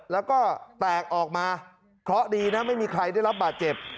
แล้วก็แตกออกมาเคราะห์ดีนะไม่มีใครได้รับบาดเจ็บ